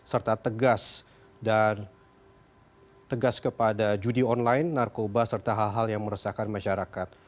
serta tegas dan tegas kepada judi online narkoba serta hal hal yang meresahkan masyarakat